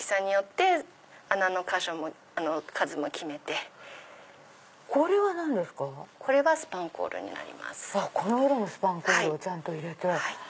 この色のスパンコールをちゃんと入れて。